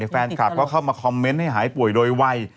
แฟนคลับก็เข้ามาคอมเมนต์ให้หายป่วยโดยวัย